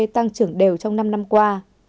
tăng trưởng đều trong năm năm qua